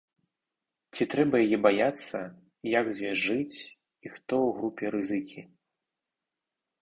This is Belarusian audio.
Ці трэба яе баяцца, як з ёй жыць і хто ў групе рызыкі.